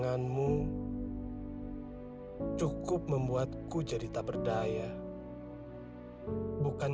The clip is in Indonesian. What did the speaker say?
saat ini aku mencari pengalihan